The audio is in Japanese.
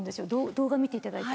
動画見ていただいて。